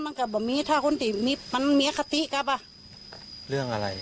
มันกับบ่ามีถ้าคนที่มีมันมีอาคาตี้กับอ่ะเรื่องอะไร